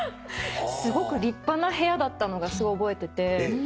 すごく立派な部屋だったのが覚えてて。